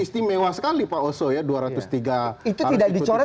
sayang sekali ya saya mau kasih disclaimer untuk pak oso